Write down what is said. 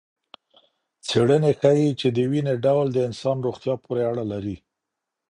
څېړنې ښيي چې دویني ډول د انسان روغتیا پورې اړه لري.